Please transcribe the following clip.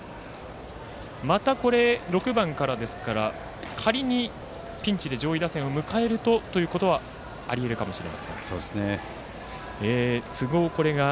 また、６番からですから仮にピンチで上位打線を迎えるということがありえるかもしれません。